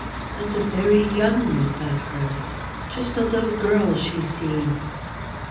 At the very youngness of her; just a little girl she seems.